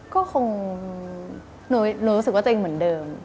ก็คงหนูรู้สึกว่าตัวเองเหมือนเดิม